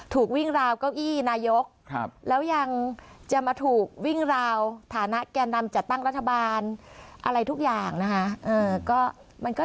ถูกวิ่งราวเก้าอี้นายกแล้วยังจะมาถูกวิ่งราวฐานะแก่นำจัดตั้งรัฐบาลอะไรทุกอย่างนะคะ